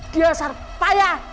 di asal payah